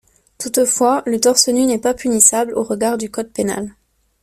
Toutefois, le torse nu n'est pas punissable au regard du code pénal.